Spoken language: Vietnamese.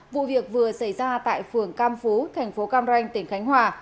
vụ việc vừa xảy ra tại phường cam phú thành phố cam ranh tỉnh khánh hòa